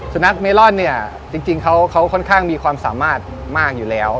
นักเมลอนเนี่ยจริงเขาค่อนข้างมีความสามารถมากอยู่แล้ว